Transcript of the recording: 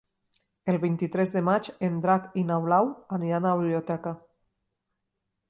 El vint-i-tres de maig en Drac i na Blau aniran a la biblioteca.